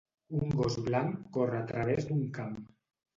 Un gos blanc corre a través d'un camp.